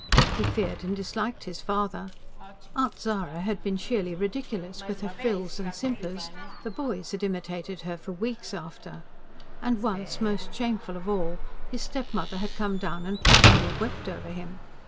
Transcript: He feared and disliked his father; Aunt Zara had been sheerly ridiculous, with her frills and simpers the boys had imitated her for weeks after and once, most shameful of all, his stepmother had come down and publicly wept over him.